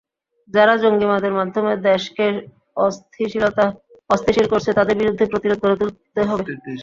যারা জঙ্গিবাদের মাধ্যমে দেশকে অস্থিতিশীল করছে, তাদের বিরুদ্ধে প্রতিরোধ গড়ে তুলতে হবে।